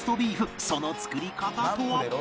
その作り方とは？